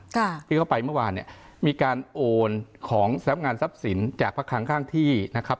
ก็ไปเมื่อวานเนี้ยมีการโอนของทรัพย์งานทรัพย์สินจากภาคข้างที่นะครับ